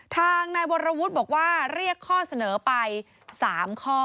ทางนายวรวุฒิบอกว่าเรียกข้อเสนอไป๓ข้อ